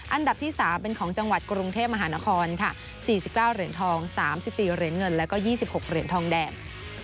อันดับที่๓เป็นของจังหวัดกรุงเทพมหานครค่ะ๔๙เหรียญทอง๓๔เหรียญเงินแล้วก็๒๖เหรียญทองแดง